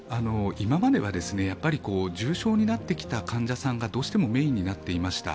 今までは重症になってきた患者さんがどうしてもメインになっていました。